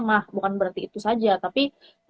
mah bukan berarti itu saja tapi